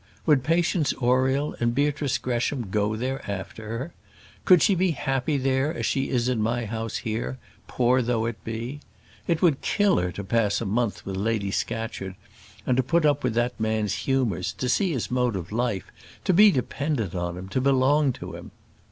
Would Patience Oriel and Beatrice Gresham go there after her? Could she be happy there as she is in my house here, poor though it be? It would kill her to pass a month with Lady Scatcherd and put up with that man's humours, to see his mode of life, to be dependent on him, to belong to him."